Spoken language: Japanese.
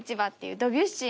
ドビュッシー？